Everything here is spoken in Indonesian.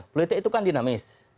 politik itu kan dinamis